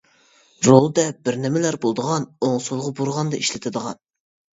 رول دەپ بىر نېمىلىرى بولىدىغان ئوڭ سولغا بۇرىغاندا ئىشلىتىدىغان.